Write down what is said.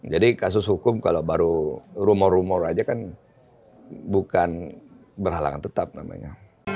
jadi kasus hukum kalau baru rumor rumor aja kan bukan berhalangan tetap namanya